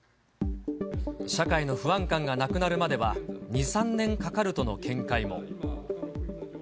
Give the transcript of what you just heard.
社会の不安感がなくなるまでは、２、３年かかるとの見解も。